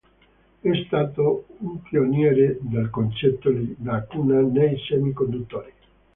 È stato un pioniere del concetto di lacuna nei semiconduttori.